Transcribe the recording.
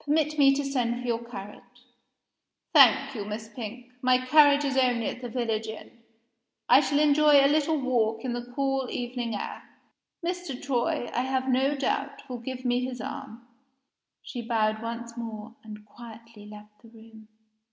"Permit me to send for your carriage." "Thank you, Miss Pink. My carriage is only at the village inn. I shall enjoy a little walk in the cool evening air. Mr. Troy, I have no doubt, will give me his arm." She bowed once more, and quietly left the room.